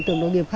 tương đối nghiêm